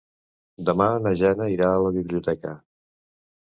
Demà na Jana irà a la biblioteca.